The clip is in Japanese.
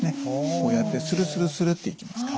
こうやってスルスルスルっていきます。